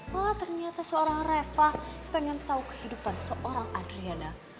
malah ternyata seorang reva pengen tau kehidupan seorang adriana